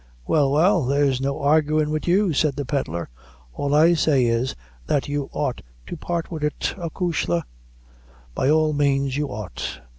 "Well, well, there's no arguin' wid you," said the pedlar, "all I say is, that you ought to part wid it, acushla by all means you ought."